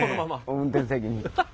運転席に。